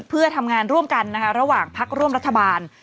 เพื่อทำงานร่วมกันนะคะระหว่างพักร่วมรัฐบาล